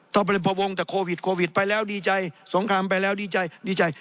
ถ้าเป็นพวงแต่โควิดโควิดไปแล้วดีใจสงครามไปแล้วดีใจดีใจ